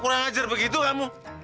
kurang ajar begitu kamu